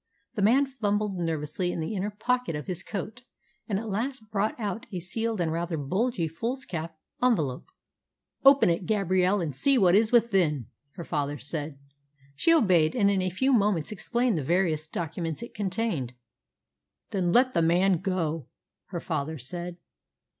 The man fumbled nervously in the inner pocket of his coat, and at last brought out a sealed and rather bulgy foolscap envelope. "Open it, Gabrielle, and see what is within," her father said. She obeyed, and in a few moments explained the various documents it contained. "Then let the man go," her father said.